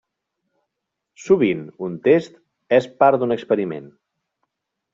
Sovint un test és part d’un experiment.